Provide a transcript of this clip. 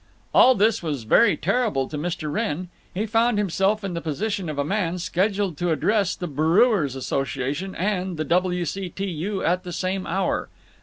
_" All this was very terrible to Mr. Wrenn. He found himself in the position of a man scheduled to address the Brewers' Association and the W. C. T. U. at the same hour.